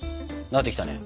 なってきたね。